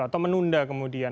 atau menunda kemudian